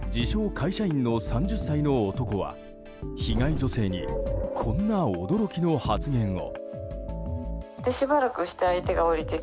会社員の３０歳の男は被害女性にこんな驚きの発言を。